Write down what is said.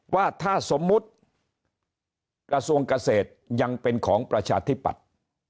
ว่าถ้าสมมุติกระทรวงเกษตรยังเป็นของประชาธิปัตย์